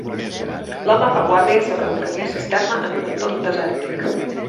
L'home fa guàrdia sobre un camió cisterna en un entorn desèrtic